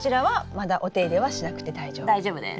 大丈夫です。